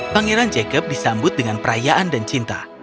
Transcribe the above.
pangeran jacob disambut dengan perayaan dan cinta